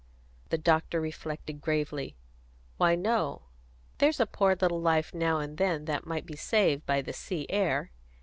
The doctor reflected gravely. "Why, no. There's a poor little life now and then that might be saved by the sea air.